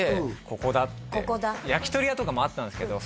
ここだって焼き鳥屋とかもあったんですけど